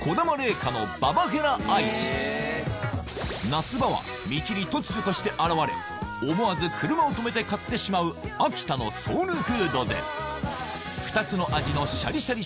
夏場は道に突如として現れ思わず車を止めて買ってしまう秋田のソウルフードで２つの味のシャリシャリ